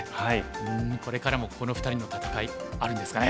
うんこれからもこの２人の戦いあるんですかね。